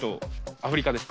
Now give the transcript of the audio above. アフリカです。